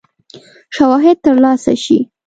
شواهد تر لاسه شي.